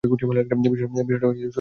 বিষয়টা শুরু বিশ্বাস আর শ্রদ্ধার।